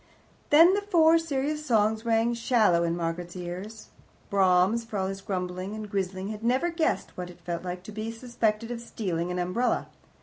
Then the Four Serious Songs rang shallow in Margaret's ears. Brahms, for all his grumbling and grizzling, had never guessed what it felt like to be suspected of stealing an umbrella.